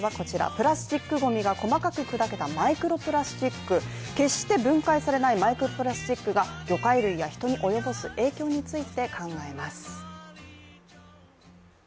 プラスチックごみが細かく砕けたマイクロプラスチック、決して分解されないマイクロプラスチックが魚介類や人に及ぼす影響について考えます。